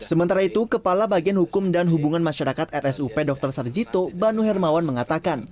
sementara itu kepala bagian hukum dan hubungan masyarakat rsup dr sarjito banu hermawan mengatakan